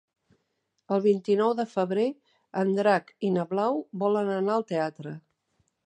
El vint-i-nou de febrer en Drac i na Blau volen anar al teatre.